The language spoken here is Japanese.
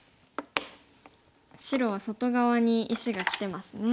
白は外側に石がきてますね。